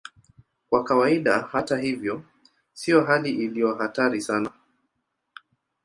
Kwa kawaida, hata hivyo, sio hali iliyo hatari sana.